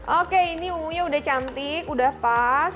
oke ini ungunya udah cantik udah pas